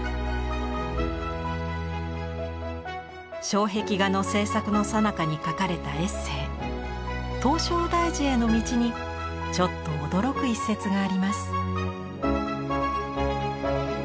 障壁画の制作の最中に書かれたエッセー「唐招提寺への道」にちょっと驚く一節があります。